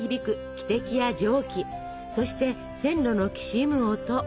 汽笛や蒸気そして線路のきしむ音